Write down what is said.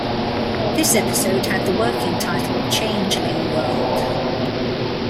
This episode had the working title "Changeling World".